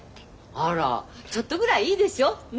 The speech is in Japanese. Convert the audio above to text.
あらちょっとぐらいいいでしょね！